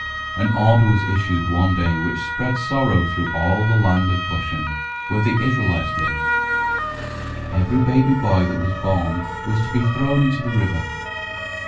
An order was issued one day which spread sorrow through all the land of Goshen, where the Israelites lived. Every baby boy that was born was to be thrown into the river.